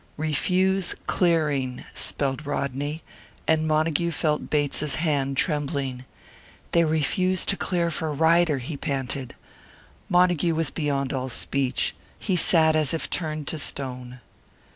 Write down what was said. "Refuse clearing," spelled Rodney; and Montague felt Bates's hand trembling. "They refuse to clear for Ryder!" he panted. Montague was beyond all speech; he sat as if turned to stone.